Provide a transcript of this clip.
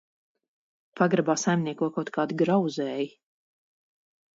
Pagrabā saimnieko kaut kādi grauzēji.